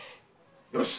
よし！